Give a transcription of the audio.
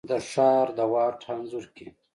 د ښار د واټ انځور کي،